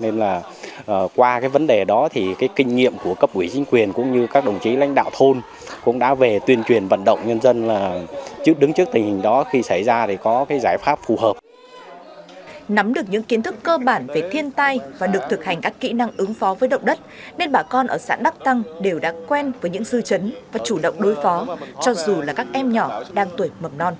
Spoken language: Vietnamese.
nắm được những kiến thức cơ bản về thiên tai và được thực hành các kỹ năng ứng phó với động đất nên bà con ở sản đắc tăng đều đã quen với những dư chấn và chủ động đối phó cho dù là các em nhỏ đang tuổi mập non